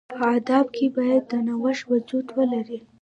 په ادب کښي باید نوښت وجود ولري.